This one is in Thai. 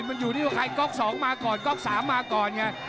มันอยู่ที่ว่าใครก๊อก๒มาก่อนก๊อก๓มาก่อนไง